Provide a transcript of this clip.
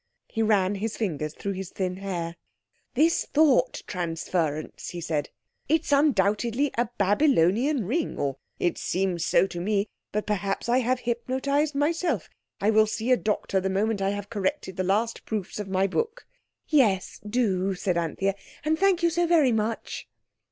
He ran his fingers through his thin hair. "This thought transference!" he said. "It's undoubtedly a Babylonian ring—or it seems so to me. But perhaps I have hypnotized myself. I will see a doctor the moment I have corrected the last proofs of my book." "Yes, do!" said Anthea, "and thank you so very much."